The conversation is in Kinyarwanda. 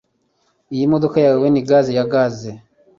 Iyi modoka yawe ni gaze ya gaze.